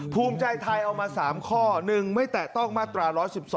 ภูมิใจไทยเอามา๓ข้อ๑ไม่แตะต้องมาตรา๑๑๒